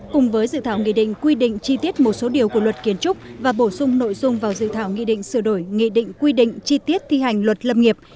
cùng với dự thảo nghị định quy định chi tiết một số điều của luật kiến trúc và bổ sung nội dung vào dự thảo nghị định sửa đổi nghị định quy định chi tiết thi hành luật lâm nghiệp